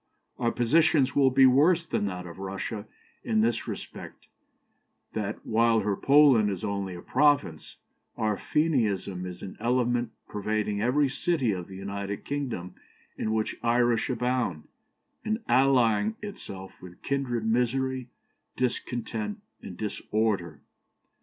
Our position will be worse than that of Russia in this respect, that, while her Poland is only a province, our Fenianism is an element pervading every city of the United Kingdom in which Irish abound, and allying itself with kindred misery, discontent, and disorder.